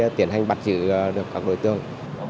mới tiến hành bắt giữ được các đối tượng